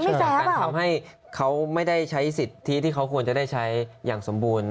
คือจากการทำให้เขาไม่ได้ใช้สิทธิที่เขาควรจะได้ใช้อย่างสมบูรณ์